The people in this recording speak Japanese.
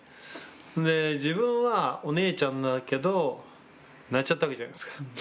で、自分はお姉ちゃんだけど、泣いちゃったわけじゃないですか。